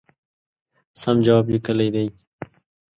سم جواب لیکلی دی.